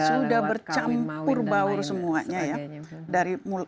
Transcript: sudah bercampur baur semuanya ya